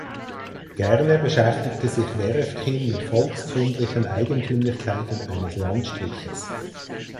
Gerne beschäftigte sich Werefkin mit volkskundlichen Eigentümlichkeiten eines Landstriches.